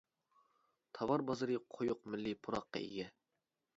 تاۋار بازىرى قويۇق مىللىي پۇراققا ئىگە.